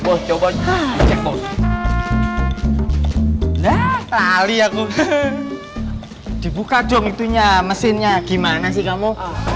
bocok bocok nah kali aku dibuka dong itunya mesinnya gimana sih kamu